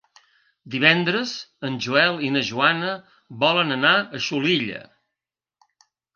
Divendres en Joel i na Joana volen anar a Xulilla.